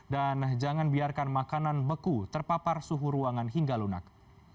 dan jangan biarkan makanan beku terpapar suhu ruangan hingga lunak